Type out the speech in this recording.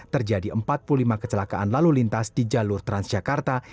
terjadi empat puluh lima kecelakaan lalu lintas di jalur transjakarta